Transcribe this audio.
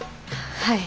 はい。